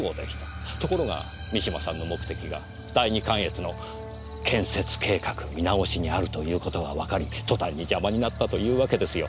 ところが三島さんの目的が第二関越の建設計画見直しにあるということがわかり途端に邪魔になったというわけですよ。